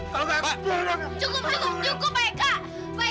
pak eka cukup